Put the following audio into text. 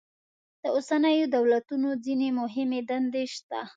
د اوسنیو دولتونو ځینې مهمې دندې شته.